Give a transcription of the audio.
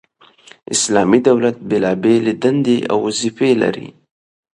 اسلامي دولت بيلابېلي دندي او وظيفي لري،